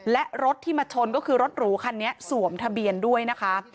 และรถที่มาชนก็คือรถหรูคันนี้สวมทะเบียนด้วยนะคะ